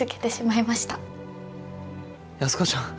安子ちゃん。